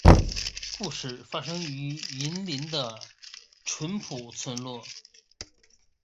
故事发生于云林的纯朴村落